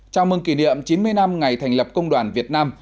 chào mừng kỷ niệm chín mươi năm ngày thành lập công đoàn việt nam